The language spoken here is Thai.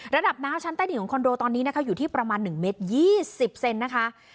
ระดับน้ำชั้นใต้ดินของคอนโดตอนนี้นะคะอยู่ที่ประมาณ๑เมตร๒๐เซนนะคะ